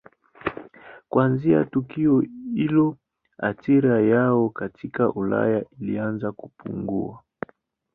Kuanzia tukio hilo athira yao katika Ulaya ilianza kupungua.